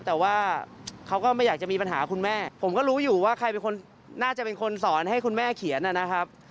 แต่ว่าเขาก็ไม่อยากจะมีปัญหาคุณแม่ผมก็รู้อยู่ว่าใครเป็นคนน่าจะเป็นคนสอนให้คุณแม่เขียนนะครับ